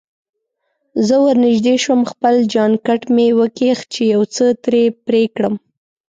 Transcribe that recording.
زه ورنژدې شوم، خپل جانکټ مې وکیښ چې یو څه ترې پرې کړم.